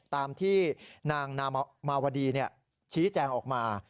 ตามที่นางมาวดีชี้แจงออกมา